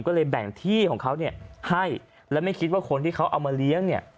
ก็เลยแบ่งที่ของเขาเนี่ยให้และไม่คิดว่าคนที่เขาเอามาเลี้ยงเนี่ย